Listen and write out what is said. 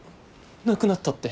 亡くなったって。